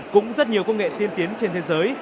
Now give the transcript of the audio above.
cũng rất nhiều công nghệ tiên tiến trên thế giới